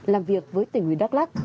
làm việc với tỉnh ủy đắk lắc